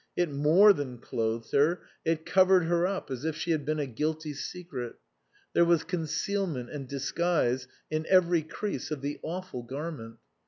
It more than clothed her, it covered her up as if she had been a guilty secret ; there was concealment and disguise in every crease of the awful garment.